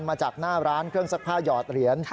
มาจากหน้าร้านเครื่องซักผ้าหยอดเหรียญ